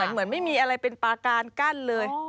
เหมือนไม่มีอะไรเป็นปาการกั้นเลย